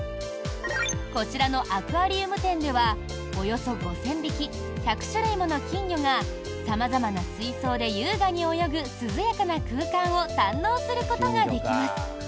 こちらのアクアリウム展ではおよそ５０００匹１００種類もの金魚が様々な水槽で優雅に泳ぐ涼やかな空間を堪能することができます。